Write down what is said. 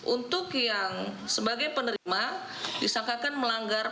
untuk yang sebagai penerima disangkakan melanggar